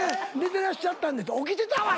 てらっしゃったんでって起きてたわ！